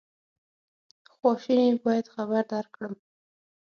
خواشیني باید خبر درکړم.